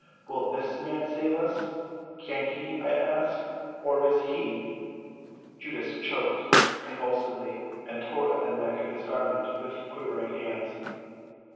Will this man save us? Can he, I ask? Or is he—" Judas choked convulsively, and tore at the neck of his garment with quivering hands.